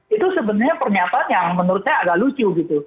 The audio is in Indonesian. itu sebenarnya pernyataan yang menurut saya agak lucu gitu